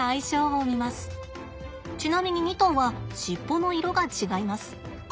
ちなみに２頭は尻尾の色が違います。